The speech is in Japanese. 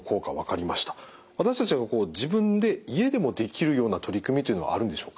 私たちが自分で家でもできるような取り組みというのはあるんでしょうか？